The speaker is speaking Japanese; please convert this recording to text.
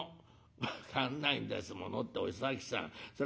「分かんないんですものってお崎さんそら